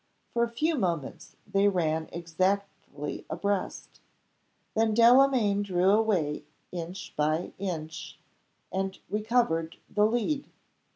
For a few moments, they ran exactly abreast. Then Delamayn drew away inch by inch; and recovered the lead.